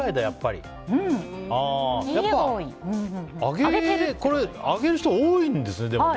やっぱ、あげる人、多いんですね。